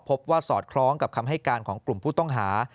สอดคล้องกับคำให้การของกลุ่มผู้ต้องหา